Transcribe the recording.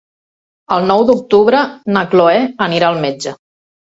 El nou d'octubre na Chloé anirà al metge.